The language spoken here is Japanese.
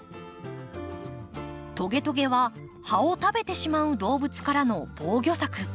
トゲトゲは葉を食べてしまう動物からの防御策。